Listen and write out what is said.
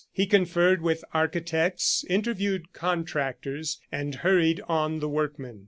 He conferred with architects, interviewed contractors, and hurried on the workmen.